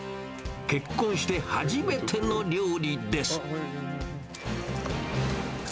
結婚して初めての料理です。